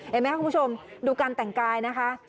เห็นไหมคุณผู้ชมดูการแต่งกายนะคะ